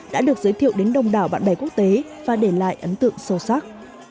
đã được giới thiệu đến đông đảo bạn bè quốc tế và để lại ấn tượng sâu sắc